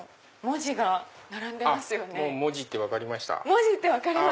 文字って分かりました！